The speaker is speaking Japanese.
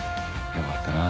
よかったな。